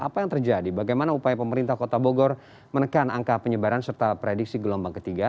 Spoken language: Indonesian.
apa yang terjadi bagaimana upaya pemerintah kota bogor menekan angka penyebaran serta prediksi gelombang ketiga